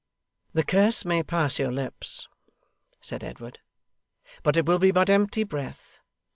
'The curse may pass your lips,' said Edward, 'but it will be but empty breath.